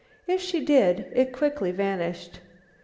If she did, it quickly vanished.